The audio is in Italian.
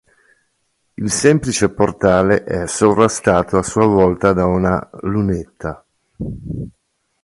Il semplice portale è sovrastato a sua volta da una lunetta.